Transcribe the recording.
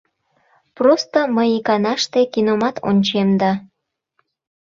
Просто мый иканаште киномат ончем да...